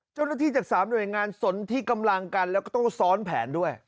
เจ้าหน้าที่จากสามหน่วยงานสนที่กำลังกันแล้วก็ต้องซ้อนแผนด้วย